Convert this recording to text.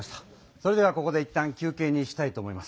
それではここでいったん休けいにしたいと思います。